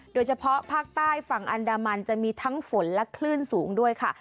โดยเฉพาะภาคใต้ฝั่งอันดามันจะมีทั้งฝนและคลื่นสูงด้วยค่ะ